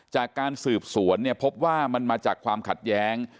จากการสืบสวนเนี่ยพบว่ามันมาจากความขัดแย้ง